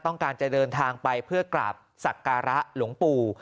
ต้องการจะเดินทางไปเพื่อกราบสักการะหลวงปู่